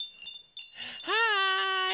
はい！